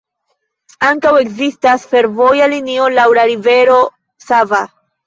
Ankaŭ ekzistas fervoja linio laŭ la rivero Sava.